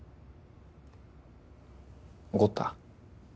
怒った？